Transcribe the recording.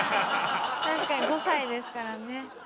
確かに５歳ですからね。